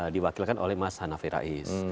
diwakilkan oleh mas hanafi rais